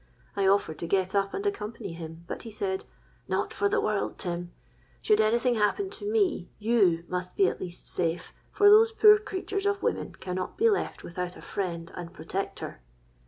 I offered to get up and accompany him; but he said, 'Not for the world, Tim. Should any thing happen to me, you must be at least safe, for those poor creatures of women cannot be left without a friend and protector.'